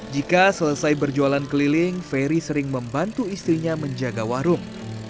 jika selesai berjualan keliling ferry sering membantu istrinya menjaga warung